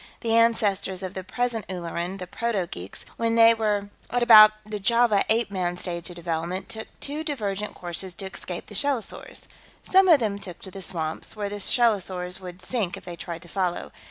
The ancestors of the present Ulleran, the proto geeks, when they were at about the Java Ape Man stage of development, took two divergent courses to escape the shellosaurs. Some of them took to the swamps, where the shellosaurs would sink if they tried to follow.